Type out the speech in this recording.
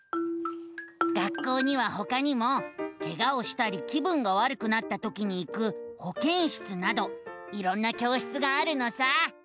学校にはほかにもケガをしたり気分がわるくなったときに行くほけん室などいろんな教室があるのさ。